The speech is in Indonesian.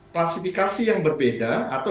klasifikasi yang berbeda atau